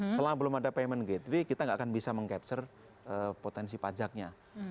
setelah belum ada payment gateway kita gak akan bisa mengcapture potensi pajaknya